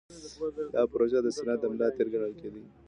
دا پروژې د صنعت د ملا تیر ګڼل کېدې.